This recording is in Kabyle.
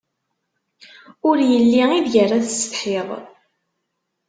Ur yelli ideg ara tessetḥiḍ.